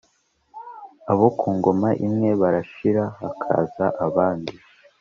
abokungoma imwe barashira hakaza abandi